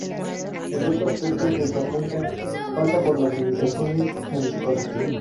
El otro aspecto que se apunta pasa por las limitaciones municipales.